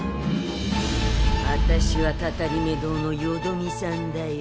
あたしはたたりめ堂のよどみさんだよ。